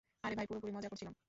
আরে, ভাই, পুরোপুরি মজা করছিলাম।